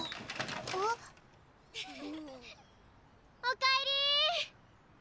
おかえり！